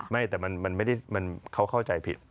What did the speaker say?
ไม่แต่มันเขาเข้าใจผิด